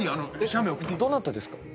どなたですか？